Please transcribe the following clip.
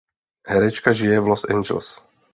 Herečka žije v Los Angeles.